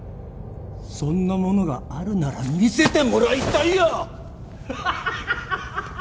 そんなものがあるなら見せてもらいたいよ！